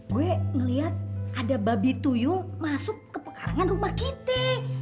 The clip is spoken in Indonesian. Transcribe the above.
gue ngeliat ada babi tuyu masuk ke pekarangan rumah kita